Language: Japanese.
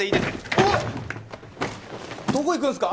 おわっどこ行くんすか？